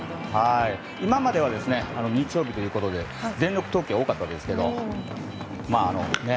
今までは日曜日ということで全力投球が多かったですけど。